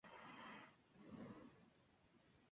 Y solo el primer tomo será publicado, por falta de fondos.